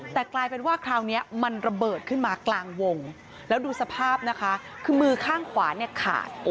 แต่กลายเป็นว่าคราวนี้มันระเบิดขึ้นมากลางวงแล้วดูสภาพนะคะคือมือข้างขวาเนี่ยขาด